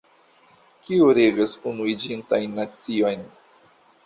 Kiu regas Unuiĝintajn Naciojn?